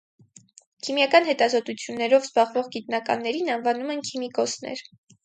Քիմիական հետազոտություններով զբաղված գիտնականներին անվանում են քիմիկոսներ։